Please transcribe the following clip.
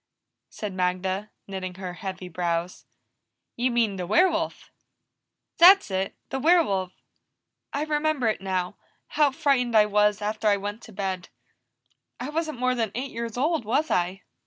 said Magda, knitting her heavy brows. "You mean the werewolf." "That's it! The werewolf. I remember it now how frightened I was after I went to bed. I wasn't more than eight years old, was I?"